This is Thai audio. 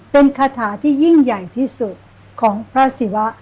เป็นคาถาที่ยิ่งใหญ่ที่สุดของพระศิวะ